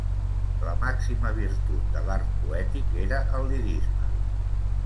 La màxima virtut de l'art poètic era el lirisme.